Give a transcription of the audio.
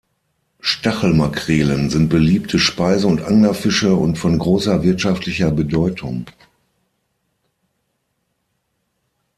Stachelmakrelen sind beliebte Speise- und Anglerfische und von großer wirtschaftlicher Bedeutung.